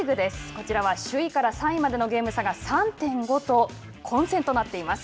こちらは首位から３位までのゲーム差が３．５と混戦となっています。